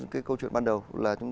cái câu chuyện ban đầu là